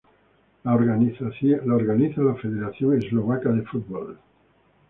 La organiza la Federación Eslovaca de Fútbol.